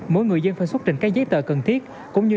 mỗi người dân phải xuất trình các giấy tờ cần thiết cũng như